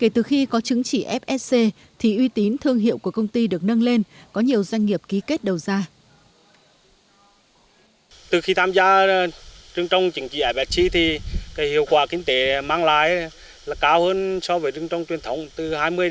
từ khi tham gia trường trọng chứng chỉ fsc thì hiệu quả kinh tế mang lại là cao hơn so với trường trọng truyền thống từ hai mươi ba mươi